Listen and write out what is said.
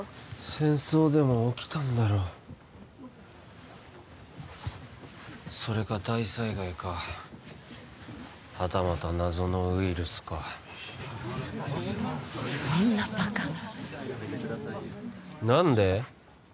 戦争でも起きたんだろそれか大災害かはたまた謎のウイルスかそんなバカな何で？